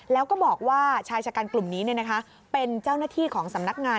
แล้วก็บอกว่าชายชะกันกลุ่มนี้เป็นเจ้าหน้าที่ของสำนักงาน